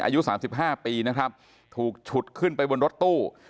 อายุ๓๕ปีนะครับถูกฉุดขึ้นไปบนรถตู้